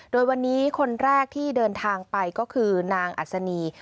โดยวันนี้คนแรกที่เดินทางไปก็คือนางอัศนี